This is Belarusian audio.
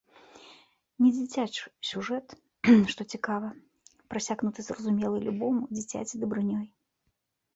Недзіцячы сюжэт, што цікава, прасякнуты зразумелай любому дзіцяці дабрынёй.